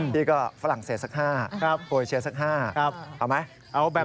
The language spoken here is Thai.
ที่ก็ฝรั่งเศสสัก๕โปรเอเชียสัก๕เอาไหม